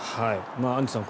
アンジュさん